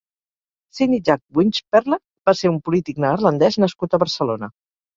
Sidney Jack Wijnperle va ser un polític neerlandès nascut a Barcelona.